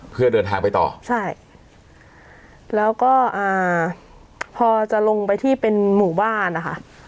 เพื่อเดินทางไปต่อใช่แล้วก็อ่าพอจะลงไปที่เป็นหมู่บ้านนะคะ